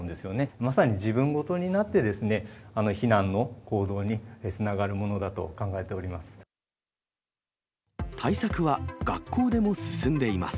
まさに自分事になって、避難の行動につながるものだと考えております。